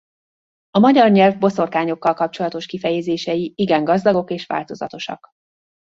A magyar nyelv boszorkányokkal kapcsolatos kifejezései igen gazdagok és változatosak.